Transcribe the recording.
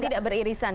dan tidak beririsan